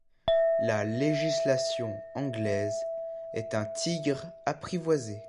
La législation anglaise est un tigre apprivoisé.